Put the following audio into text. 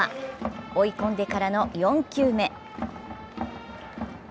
追い込んでからの４球目。